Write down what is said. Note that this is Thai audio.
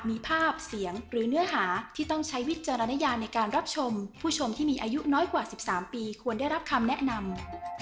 เมื่อกว่า๑๓ปีควรได้รับคำแนะนำ